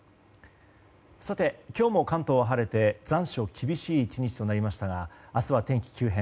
今日も関東は晴れて残暑厳しい１日となりましたが明日は天気が急変。